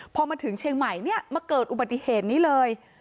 พอมาถึงเชียงใหม่เนี่ยมาเกิดอุบัติเหตุนี้เลย